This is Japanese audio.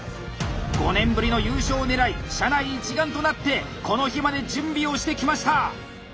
５年ぶりの優勝を狙い社内一丸となってこの日まで準備をしてきました。